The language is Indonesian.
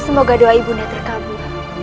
semoga doa ibunda terkabur